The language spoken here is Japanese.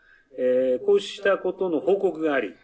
こうしたことの報告があり